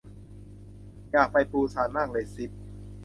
อยากไปปูซานมากเลยซิส